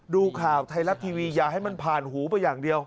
ดูข่าวไทยรัฐทีวีอย่าให้มันผ่านหูไปอย่างเดียว